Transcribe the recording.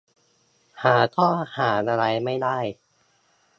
หาข้อหาอะไรไม่ได้